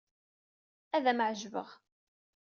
Ad am-ɛejbeɣ.